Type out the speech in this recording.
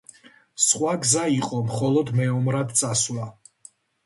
სხვა გზა იყო მხოლოდ მეომრად წასვლა.